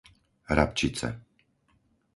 Rabčice